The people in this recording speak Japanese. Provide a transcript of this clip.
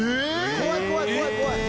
怖い怖い怖い怖い。